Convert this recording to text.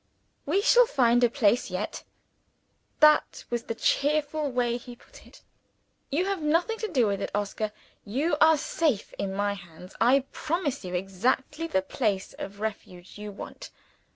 'We shall find a place yet' (that was the cheerful way he put it); 'you have nothing to do with it, Oscar; you are safe in my hands; I promise you exactly the place of refuge you want.'